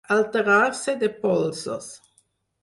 Alterar-se de polsos.